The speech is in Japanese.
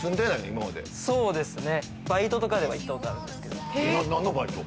今までそうですねバイトとかでは行ったことあるんですけど何のバイト？